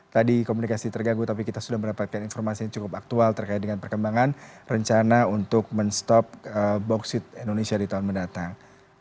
tadi komunikasi terganggu tapi kita sudah mendapatkan informasi yang cukup aktual terkait dengan perkembangan rencana untuk men stop boksit indonesia di tahun mendatang